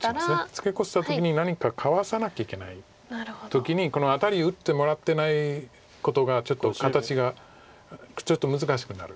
ツケコした時に何かかわさなきゃいけない時にこのアタリ打ってもらってないことがちょっと形がちょっと難しくなる。